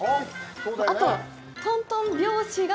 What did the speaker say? あと「豚とん拍子が」